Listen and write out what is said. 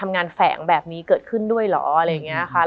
มันทำให้ชีวิตผู้มันไปไม่รอด